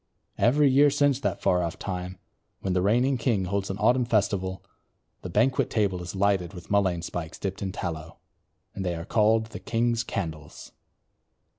'" Every year since that far off time when the reigning king holds an autumn festival, the banquet table is lighted with mullein spikes dipped in tallow, and they are called the "King's Candles."